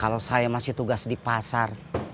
kalau saya masih tugas di pasar